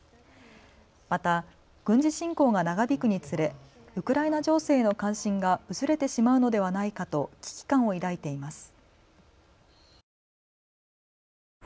また、軍事侵攻が長引くにつれウクライナ情勢への関心が薄れてしまうのではないかと危機感を抱いています。